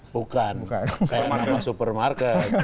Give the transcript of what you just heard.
bukan kayak nama supermarket